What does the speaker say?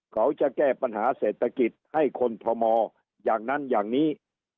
เขาจะแก้ปัญหาเศรษฐกิจให้คนทมอย่างนั้นอย่างนี้